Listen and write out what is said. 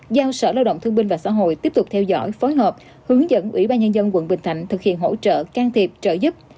giao sở lao động thương minh và xã hội tiếp tục theo dõi phối hợp hướng dẫn ủy ban nhân dân tp hcm thực hiện hỗ trợ can thiệp trợ giúp